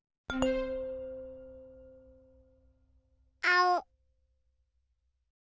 あお。